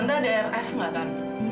nante ada air es gak tante